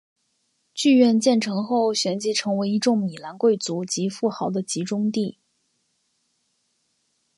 剧院建成后旋即成为一众米兰贵族及富豪的集中地。